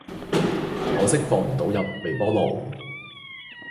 可惜放唔到入微波爐